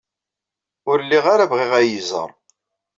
Ur lliɣ ara bɣiɣ ad iyi-iẓer.